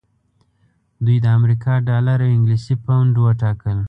دوی د امریکا ډالر او انګلیسي پونډ وټاکل.